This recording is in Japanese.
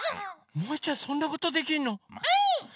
もいちゃんそんなことできんの？もい！